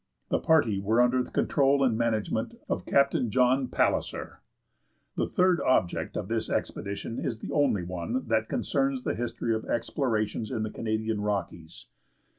The party were under the control and management of Captain John Palliser. The third object of this expedition is the only one that concerns the history of explorations in the Canadian Rockies.